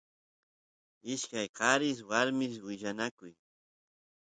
ishkay qaris warmis willanakuy